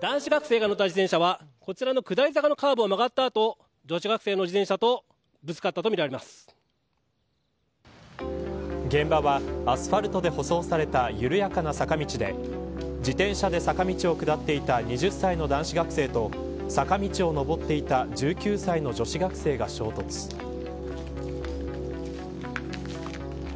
男子学生が乗った自転車はこちらの下り坂のカーブを曲がった後女子学生の自転車とぶつかったと現場はアスファルトで舗装された緩やかな坂道で自転車で坂道を下っていた２０歳の男子学生と坂道を上っていた昨日、鳥取大学のキャンパス内の道路で起きた自転車２台の衝突事故。